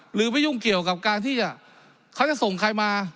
ไม่ยุ่งเกี่ยวกับการที่เขาจะส่งใครมา